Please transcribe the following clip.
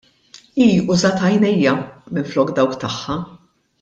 Hi użat għajnejja minflok dawk tagħha!